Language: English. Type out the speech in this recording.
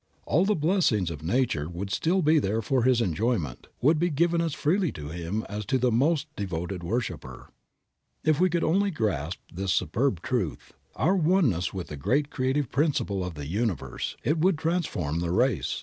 All the blessings of nature would still be there for his enjoyment, would be given as freely to him as to the most devoted worshiper. If we could only grasp this superb truth, our oneness with the great creative principle of the universe it would transform the race.